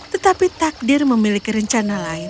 tetapi takdir memiliki rencana lain